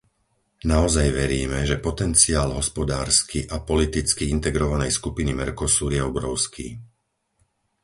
Naozaj veríme, že potenciál hospodársky a politicky integrovanej skupiny Mercosur je obrovský.